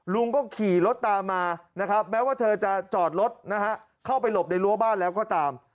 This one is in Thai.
ลุงก็ขี่รถตามมานะครับแม้ว่าเธอจะจอดรถนะฮะเข้าไปหลบในรั้วบ้านแล้วก็ตาม